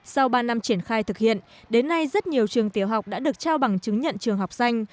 sau ba năm triển khai thực hiện đến nay rất nhiều trường tiểu học đã được trao bằng chứng nhận trường học xanh